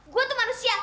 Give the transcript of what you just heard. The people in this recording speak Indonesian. gua tuh manusia